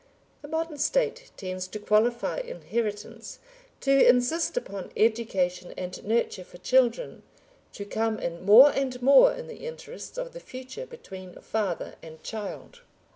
The modern State tends to qualify inheritance, to insist upon education and nurture for children, to come in more and more in the interests of the future between father and child.